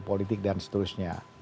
politik dan seterusnya